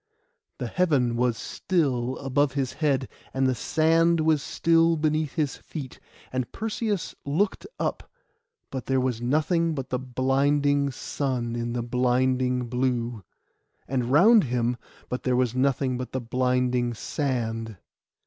The heaven was still above his head, and the sand was still beneath his feet; and Perseus looked up, but there was nothing but the blinding sun in the blinding blue; and round him, but there was nothing but the blinding sand.